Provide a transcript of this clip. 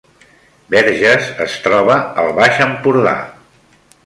Verges es troba al Baix Empordà